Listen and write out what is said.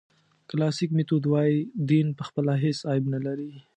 کلاسیک میتود وایي دین پخپله هېڅ عیب نه لري.